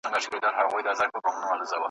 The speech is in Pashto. امن راغلی ډوډۍ دي نه وي `